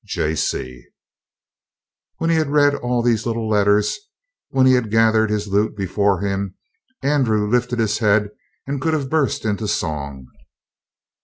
J.C. When he had read all these little letters, when he had gathered his loot before him, Andrew lifted his head and could have burst into song.